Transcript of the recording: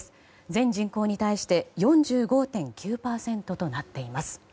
全人口に対して４５．９％となっています。